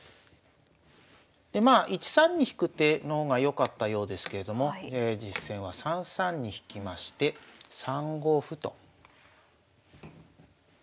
でまあ１三に引く手の方がよかったようですけれども実戦は３三に引きまして３五歩と。